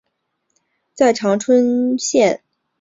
在长春县城小学毕业后考入哈尔滨特区中学。